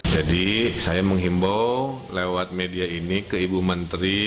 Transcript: jadi saya menghimbau lewat media ini ke ibu menteri